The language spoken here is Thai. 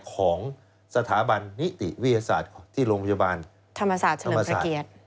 ของสถาบันนิติวิทยาศาสตร์ที่โรงพยาบาลธรรมศาสตร์เฉลิมพระเกียรติ